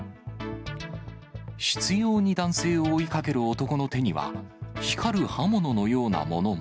執ように男性を追いかける男の手には、光る刃物のようなものも。